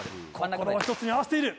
心を一つに合わせている。